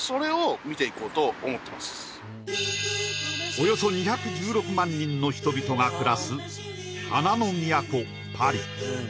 およそ２１６万人の人々が暮らす花の都パリ